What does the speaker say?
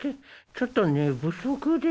ちょっと寝不足で。